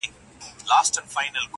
پخوا د كلي په گودر كي جـادو.